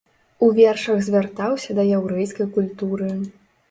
У вершах звяртаўся да яўрэйскай культуры.